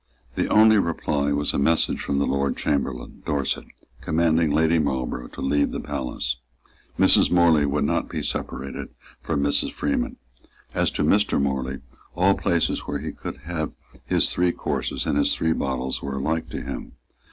The only reply was a message from the Lord Chamberlain, Dorset, commanding Lady Marlborough to leave the palace. Mrs. Morley would not be separated from Mrs. Freeman. As to Mr. Morley, all places where he could have his three courses and his three bottles were alike to him.